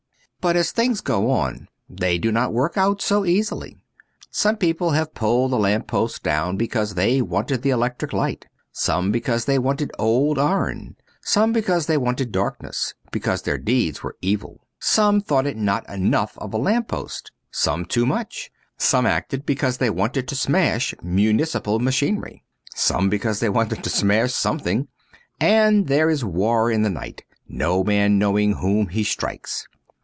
But as things go on they do not work out so easily. Some people have pulled the lamp post down because they wanted the electric light ; some because they wanted old iron ; some because they wanted darkness, because their deeds were evil. Some thought it not enough of a lamp post, some too much ; some acted because they wanted to smash municipal machinery ; some because they wanted to smash something. And there is war in the night, no man knowing whom he strikes.